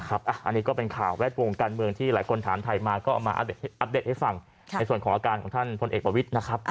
อันนี้ก็เป็นข่าวแวดวงการเมืองที่หลายคนถามถ่ายมาก็เอามาอัปเดตให้ฟังในส่วนของอาการของท่านพลเอกประวิทย์นะครับ